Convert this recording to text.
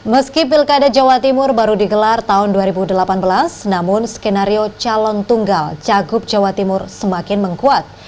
meski pilkada jawa timur baru digelar tahun dua ribu delapan belas namun skenario calon tunggal cagup jawa timur semakin mengkuat